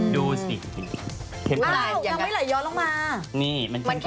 ดูสิเข้มข้นมากอ้าวยังไม่หลายย้อนลงมา